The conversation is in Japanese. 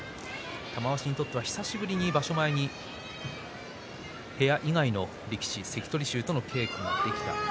玉鷲にとっては久しぶりに場所前に部屋以外の力士、関取衆との稽古ができた。